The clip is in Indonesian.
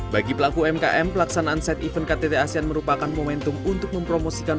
bagi pelaku umkm pelaksanaan set event ktt asean merupakan momentum untuk mempromosikan